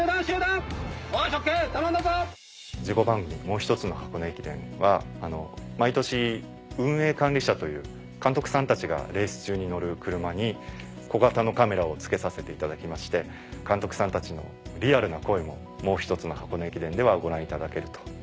集団！事後番組『もうひとつの箱根駅伝』は毎年運営管理車という監督さんたちがレース中に乗る車に小型のカメラを付けさせていただきまして監督さんたちのリアルな声も『もうひとつの箱根駅伝』ではご覧いただけると。